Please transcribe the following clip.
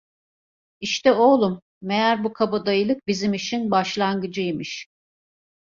İşte oğlum, meğer bu kabadayılık bizim işin başlangıcı imiş.